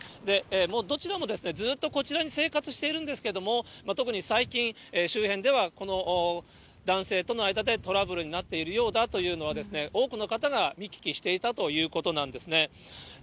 もうどちらもずっとこちらに生活しているんですけれども、特に最近、周辺ではこの男性との間でトラブルになっているようだというのは、多くの方が見聞きしていたということなんですね。